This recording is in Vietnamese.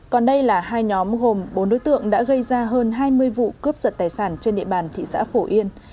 còn đây là hai nhóm gồm bốn đối tượng đã gây ra hơn hai mươi vụ cướp giật tài sản trên địa bàn thị xã phổ yên